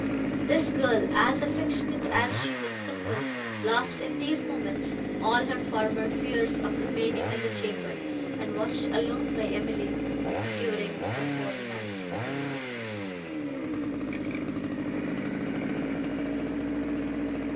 This girl, as affectionate as she was simple, lost in these moments all her former fears of remaining in the chamber, and watched alone by Emily, during the whole night.